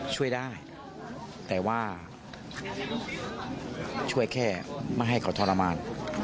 ช่วยได้แต่ว่าช่วยแค่ไม่ให้เขาทรมาน